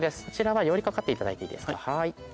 こちら寄り掛かっていただいていいですか。